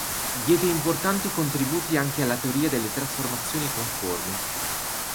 Diede importanti contributi anche alla teoria delle trasformazioni conformi.